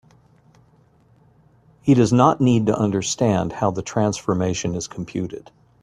He does not need to understand how the transformation is computed.